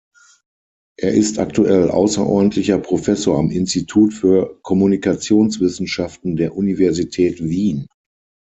Er ist aktuell außerordentlicher Professor am Institut für Kommunikationswissenschaften der Universität Wien.